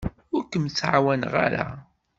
Ur kem-ttɛawaneɣ ara.